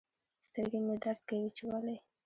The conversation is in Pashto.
سترګي مي درد کوي چي ولي